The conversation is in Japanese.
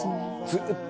ずっと。